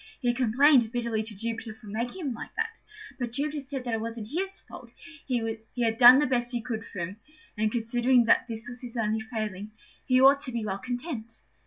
He complained bitterly to Jupiter for making him like that; but Jupiter said it wasn't his fault: he had done the best he could for him, and, considering this was his only failing, he ought to be well content.